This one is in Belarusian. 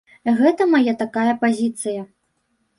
Гэта мая такая пазіцыя.